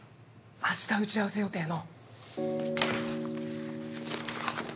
明日打ち合わせ予定の。